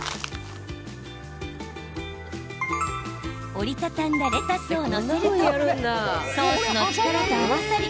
折り畳んだレタスを載せるとソースの力と合わさり